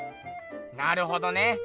なるほどね。